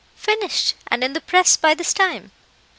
"Finished, and in the press by this time."